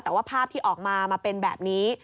แต่ว่าภาพที่ออกมามาเป็นแบบนี้